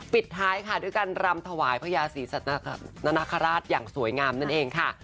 ปิดท้ายด้วยการรำถวายพญาศีสัตว์นานาคาราชอย่างสวยงามนั่นเองค่ะ